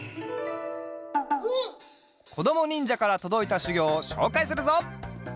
こどもにんじゃからとどいたしゅぎょうをしょうかいするぞ。